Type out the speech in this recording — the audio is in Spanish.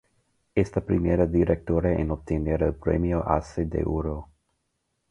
Es la primera directora en obtener el Premio Ace de Oro.